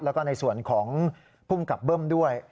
แล้วก็ในส่วนของภูมิกับเบิ้มด้วย